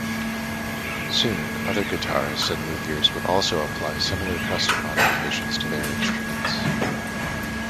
Soon, other guitarists and luthiers would also apply similar custom modifications to their instruments.